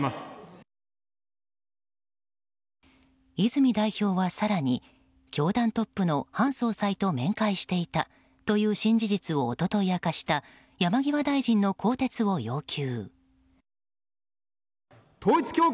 泉代表は更に教団トップの韓総裁と面会していたという新事実を一昨日明かした山際大臣の更迭を要求。